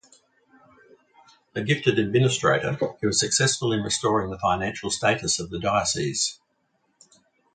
A gifted administrator, he was successful in restoring the financial status of the diocese.